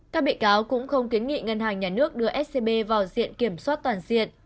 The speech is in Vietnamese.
các bị cáo cũng không kiến nghị ngân hàng nhà nước đưa scb vào diện kiểm soát toàn diện